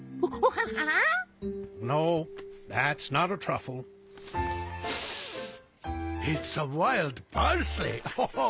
ハハッ。